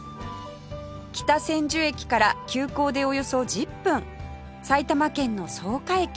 北千住駅から急行でおよそ１０分埼玉県の草加駅